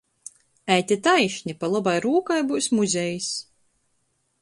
Ejte taišni, pa lobai rūkai byus muzejs.